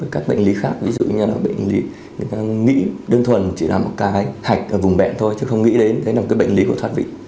các bệnh lý khác ví dụ như là bệnh lý người ta nghĩ đơn thuần chỉ là một cái hạch ở vùng bệnh thôi chứ không nghĩ đến đấy là một cái bệnh lý của thoát vị